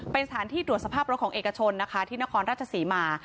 เป็นสถานที่ตรวจสภาพรถของเอกชนนะคะที่นครราชศรีมา